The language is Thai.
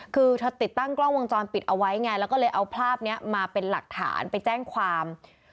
คือเธอติดตั้งกล้องวงจรปิดเอาไว้ไงแล้วก็เลยเอาภาพนี้มาเป็นหลักฐานไปแจ้งความ